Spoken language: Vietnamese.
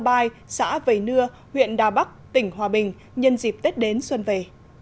mai xã vầy nưa huyện đà bắc tỉnh hòa bình nhân dịp tết đến xuân về